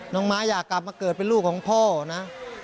ม้าอยากกลับมาเกิดเป็นลูกของพ่อนะ